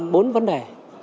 bốn vấn đề